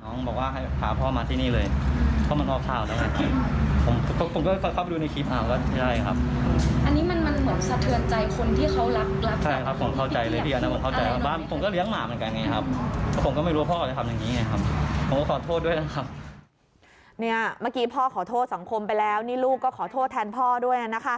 เมื่อกี้พ่อขอโทษสังคมไปแล้วนี่ลูกก็ขอโทษแทนพ่อด้วยนะคะ